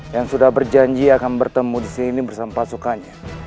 yang sudah berjanji akan bertemu disini bersama pasukannya